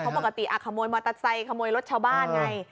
เพราะปกติขโมยมอเตอร์ไซค์ขโมยรถชาวบ้านไง